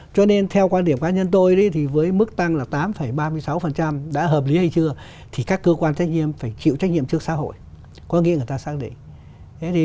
chưa minh bạch của ngành điện có thời kỳ